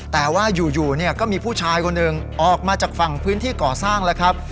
แต่ว่าอยู่เนี่ยก็มีผู้ชายคนหนึ่งออกมาจากฝั่งพื้นที่ก่อสร้างแล้วครับ